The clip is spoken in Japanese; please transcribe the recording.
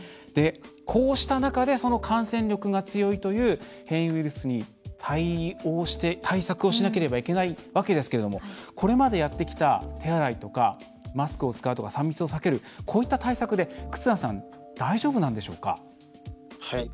こうした中で、その感染力が強いという変異ウイルスに対応して、対策をしなければいけないわけですけどこれまでやってきた手洗いとかマスクを使うとか３密を避ける、こういった対策で忽那さん、大丈夫なんでしょうか。